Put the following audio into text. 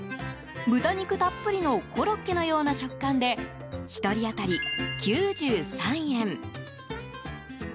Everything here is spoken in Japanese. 豚肉たっぷりのコロッケのような食感で１人当たり９３円。